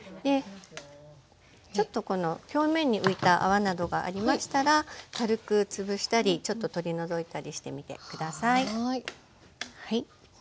ちょっとこの表面に浮いた泡などがありましたら軽く潰したりちょっと取り除いたりしてみて下さい。